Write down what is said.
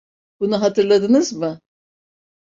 Bunu hatırladınız mı?